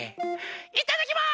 いただきます！